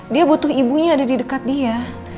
dia butuh ibunya ada di dekat dia